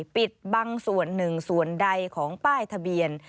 ปิดบางส่วนหนึ่งส่วนใดของป้ายทะเบียน